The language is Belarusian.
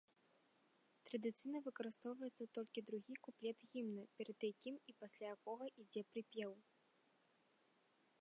Традыцыйна выконваецца толькі другі куплет гімна, перад якім і пасля якога ідзе прыпеў.